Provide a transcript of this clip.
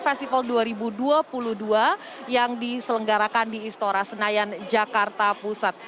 festival dua ribu dua puluh dua yang diselenggarakan di istora senayan jakarta pusat